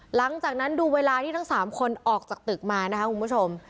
หลังจากนั้นดูเวลาที่ทั้ง๓คนออกจากตึกมานะคะคุณผู้ชม